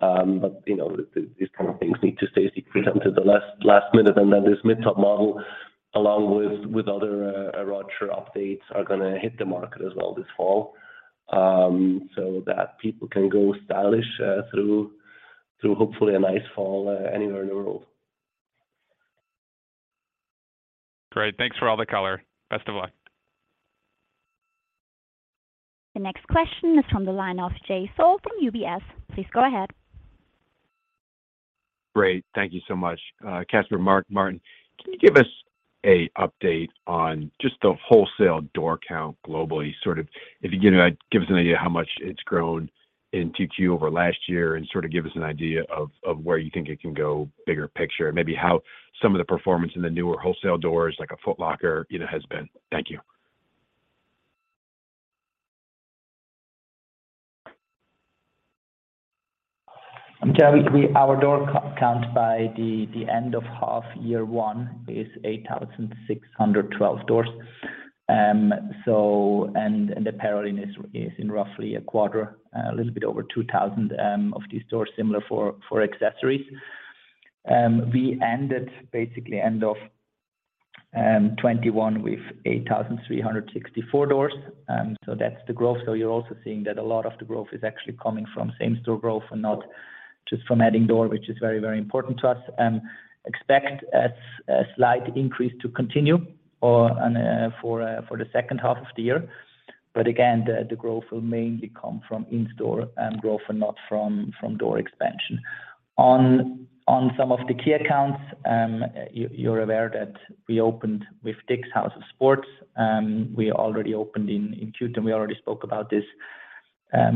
You know, these kind of things need to stay secret until the last minute. Then this mid-top model, along with other THE ROGER updates, are gonna hit the market as well this fall, so that people can go stylish through hopefully a nice fall anywhere in the world.
Great. Thanks for all the color. Best of luck.
The next question is from the line of Jay Sole from UBS. Please go ahead.
Great. Thank you so much. Caspar, Martin, can you give us an update on just the wholesale door count globally? Sort of if you can give us an idea how much it's grown in Q2 over last year, and sort of give us an idea of where you think it can go bigger picture. Maybe how some of the performance in the newer wholesale doors, like a Foot Locker, you know, has been. Thank you.
Jay, our door count by the end of H1 is 8,612 doors. The apparel line is in roughly a quarter, a little bit over 2,000 of these stores, similar for accessories. We ended basically end of 2021 with 8,364 doors. That's the growth. You're also seeing that a lot of the growth is actually coming from same-store growth and not just from adding doors, which is very important to us. Expect a slight increase to continue going on for the second half of the year. Again, the growth will mainly come from in-store growth and not from door expansion. On some of the key accounts, you're aware that we opened with DICK'S House of Sport, we already opened in Q2, we already spoke about this,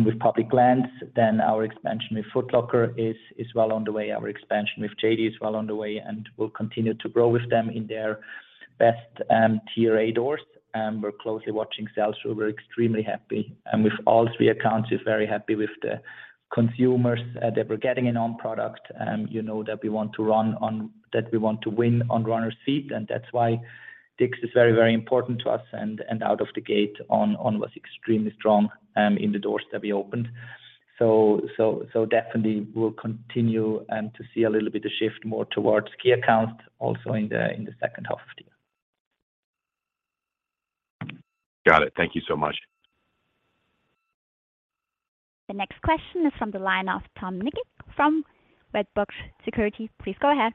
with public lands. Our expansion with Foot Locker is well on the way. Our expansion with JD is well on the way, and we'll continue to grow with them in their best tier A doors. We're closely watching sales, so we're extremely happy. With all three accounts, we're very happy with the consumers that we're getting in On product. You know that we want to win on [runners feet], and that's why DICK'S is very, very important to us and out of the gate On was extremely strong in the doors that we opened. Definitely we'll continue to see a little bit of shift more towards key accounts also in the second half of the year.
Got it. Thank you so much.
The next question is from the line of Tom Nikic from Wedbush Securities. Please go ahead.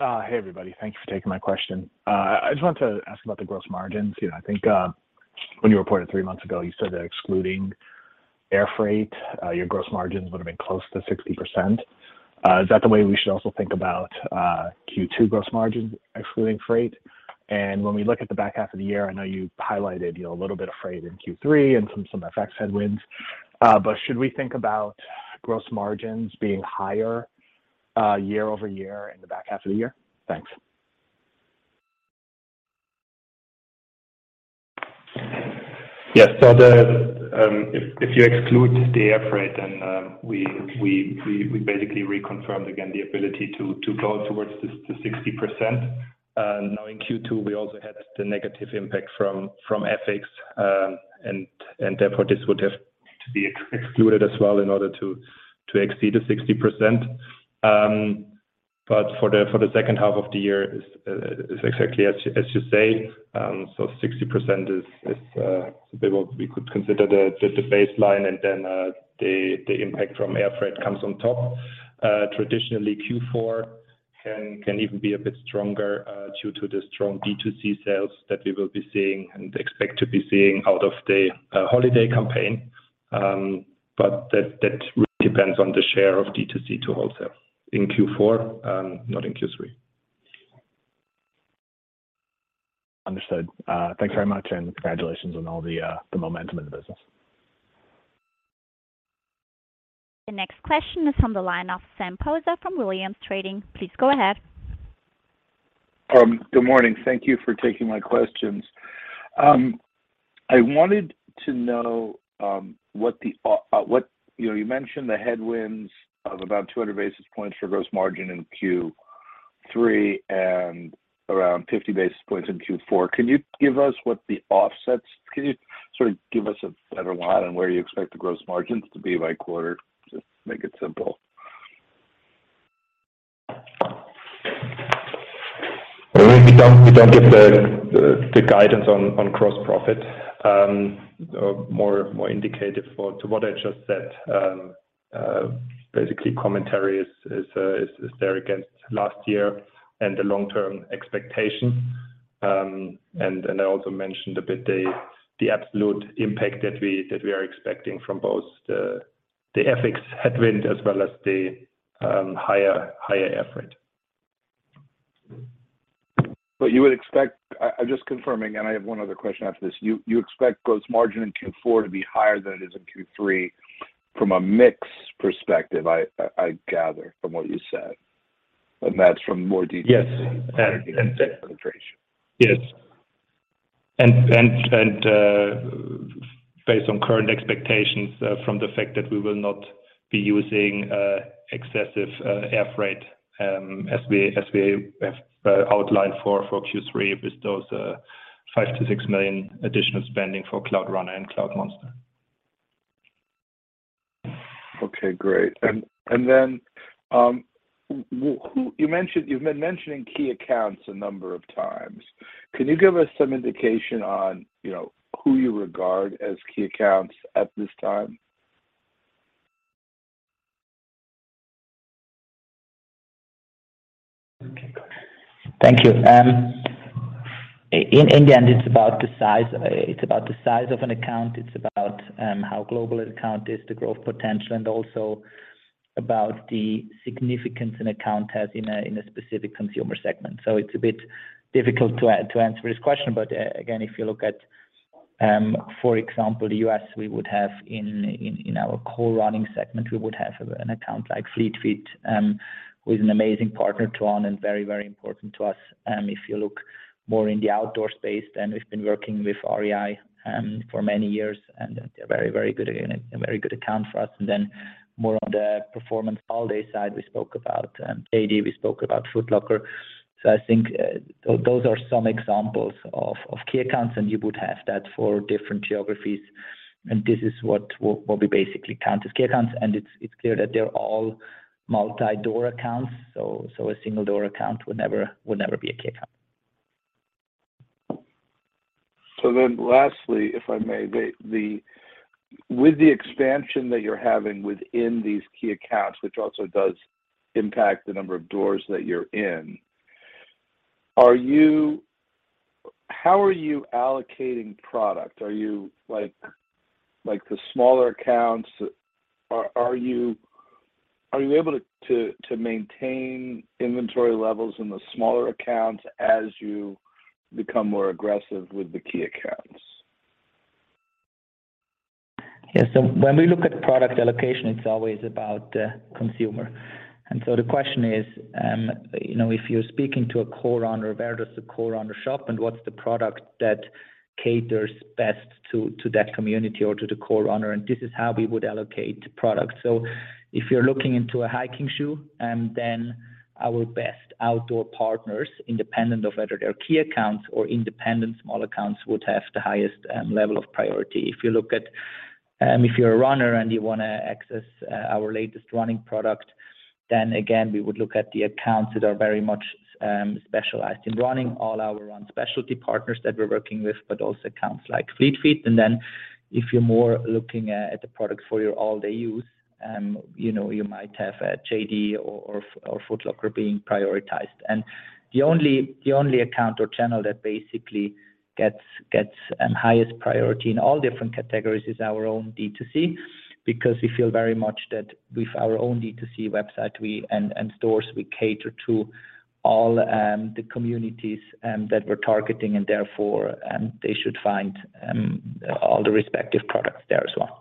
Hey, everybody. Thank you for taking my question. I just wanted to ask about the gross margins. You know, I think when you reported three months ago, you said that excluding air freight, your gross margins would have been close to 60%. Is that the way we should also think about Q2 gross margin excluding freight? When we look at the back half of the year, I know you highlighted, you know, a little bit of freight in Q3 and some FX headwinds. But should we think about gross margins being higher year-over-year in the back half of the year? Thanks.
Yes. If you exclude the air freight then, we basically reconfirm again the ability to go towards this 60%. Now in Q2, we also had the negative impact from FX. Therefore this would have to be excluded as well in order to exceed the 60%. For the second half of the year is exactly as you say. 60% is we could consider the baseline and then, the impact from air freight comes on top. Traditionally, Q4 can even be a bit stronger due to the strong D2C sales that we will be seeing and expect to be seeing out of the holiday campaign. That really depends on the share of D2C to wholesale in Q4, not in Q3.
Understood. Thanks very much, and congratulations on all the momentum in the business.
The next question is from the line of Sam Poser from Williams Trading. Please go ahead.
Good morning. Thank you for taking my questions. I wanted to know, you know, you mentioned the headwinds of about 200 basis points for gross margin in Q3 and around 50 basis points in Q4. Can you sort of give us a better line on where you expect the gross margins to be by quarter? Just make it simple.
We don't give the guidance on gross profit. More indicative to what I just said. Basically commentary is there against last year and the long-term expectation. I also mentioned a bit the absolute impact that we are expecting from both the FX headwind as well as the higher air freight.
You would expect. I'm just confirming, and I have one other question after this. You expect gross margin in Q4 to be higher than it is in Q3 from a mix perspective. I gather from what you said, and that's from more D2C-
Yes.
-concentration.
Yes. Based on current expectations, from the fact that we will not be using excessive air freight, as we have outlined for Q3 with those 5-6 million additional spending for Cloudrunner and Cloudmonster.
Okay, great. You mentioned you've been mentioning key accounts a number of times. Can you give us some indication on, you know, who you regard as key accounts at this time?
Thank you. In India, and it's about the size of an account. It's about how global an account is, the growth potential, and also about the significance an account has in a specific consumer segment. It's a bit difficult to answer this question. Again, if you look at, for example, the U.S., we would have in our core running segment an account like Fleet Feet who is an amazing partner to On and very important to us. If you look more in the outdoor space, we've been working with REI for many years, and they're a very good account for us. More on the performance all-day side, we spoke about JD, we spoke about Foot Locker. I think those are some examples of key accounts, and you would have that for different geographies. This is what we basically count as key accounts, and it's clear that they're all multi-door accounts. A single door account would never be a key account.
Lastly, if I may, with the expansion that you're having within these key accounts, which also does impact the number of doors that you're in, how are you allocating product? Are you like the smaller accounts? Are you able to maintain inventory levels in the smaller accounts as you become more aggressive with the key accounts?
Yeah. When we look at product allocation, it's always about the consumer. The question is, you know, if you're speaking to a core runner, where does the core runner shop and what's the product that caters best to that community or to the core runner? This is how we would allocate product. If you're looking into a hiking shoe, then our best outdoor partners, independent of whether they're key accounts or independent small accounts, would have the highest level of priority. If you're a runner and you wanna access our latest running product, then again, we would look at the accounts that are very much specialized in running, all our run specialty partners that we're working with, but also accounts like Fleet Feet. If you're more looking at the product for your all-day use, you know, you might have a JD or Foot Locker being prioritized. The only account or channel that basically gets highest priority in all different categories is our own D2C, because we feel very much that with our own D2C website and stores, we cater to all the communities that we're targeting, and therefore they should find all the respective products there as well.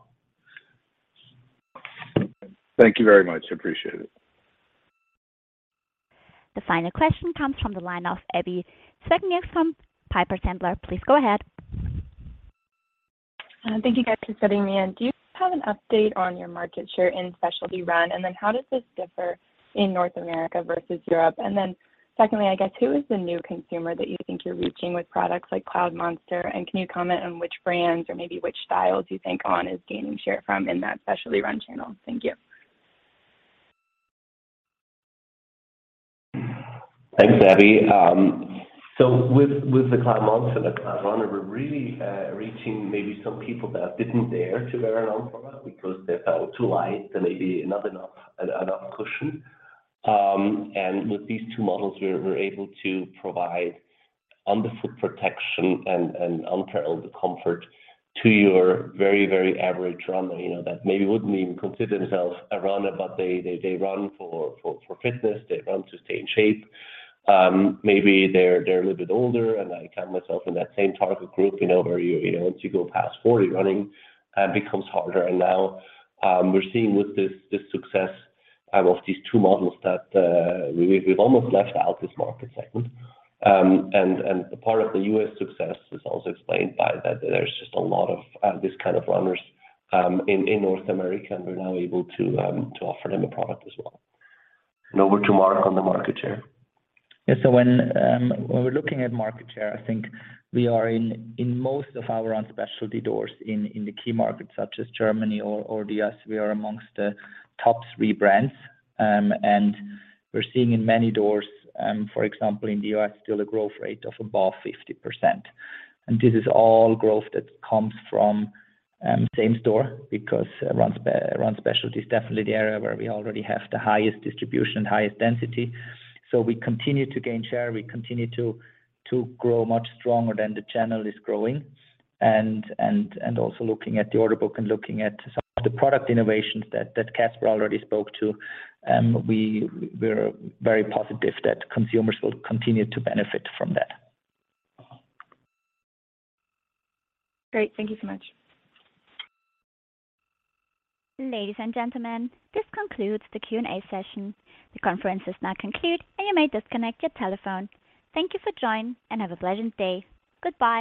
Thank you very much. Appreciate it.
The final question comes from the line of Abbie Zvejnieks from Piper Sandler. Please go ahead.
Thank you guys for fitting me in. Do you have an update on your market share in specialty run? And then how does this differ in North America versus Europe? And then secondly, I guess, who is the new consumer that you think you're reaching with products like Cloudmonster? And can you comment on which brands or maybe which styles you think On is gaining share from in that specialty run channel? Thank you.
Thanks, Abby. So with the Cloudmonster, the Cloudrunner, we're really reaching maybe some people that didn't dare to wear an On product because they felt too light and maybe not enough cushion. With these two models, we're able to provide underfoot protection and unparalleled comfort to your very average runner, you know, that maybe wouldn't even consider themselves a runner, but they run for fitness, they run to stay in shape. Maybe they're a little bit older, and I count myself in that same target group, you know, where you know, once you go past 40 running becomes harder. Now, we're seeing with this success of these two models that we've almost left out this market segment. Part of the U.S. success is also explained by that there's just a lot of these kind of runners in North America, and we're now able to offer them a product as well. Over to Marc on the market share.
Yeah. When we're looking at market share, I think we are in most of our run specialty doors in the key markets such as Germany or the U.S., we are among the top three brands. We're seeing in many doors, for example, in the U.S., still a growth rate of above 50%. This is all growth that comes from same store because run specialty is definitely the area where we already have the highest distribution, highest density. We continue to gain share, we continue to grow much stronger than the channel is growing. also looking at the order book and looking at some of the product innovations that Caspar already spoke to, we're very positive that consumers will continue to benefit from that.
Great. Thank you so much.
Ladies and gentlemen, this concludes the Q&A session. The conference is now concluded, and you may disconnect your telephone. Thank you for joining, and have a pleasant day. Goodbye.